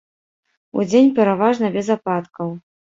Удзень пераважна без ападкаў.